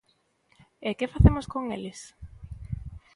E que facemos con eles?